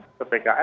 bisa kita buka buka